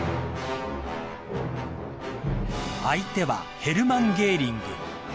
［相手はヘルマン・ゲーリング］